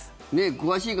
詳しい方